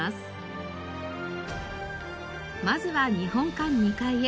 まずは日本館２階へ。